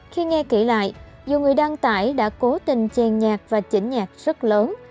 khi nghe kỹ lại dù người đăng tải đã cố tình chèn nhạc và chỉnh nhạc rất lớn